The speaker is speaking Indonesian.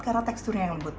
karena teksturnya yang lembut